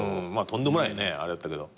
とんでもないねあれだったけど。